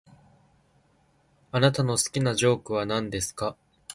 [Japanese] あなたの好きなジョークはなんですか。